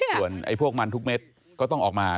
ส่วนพวกมันทุกเม็ดก็ต้องออกมา